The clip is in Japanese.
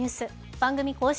番組公式